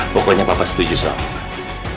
pokoknya papa setuju soh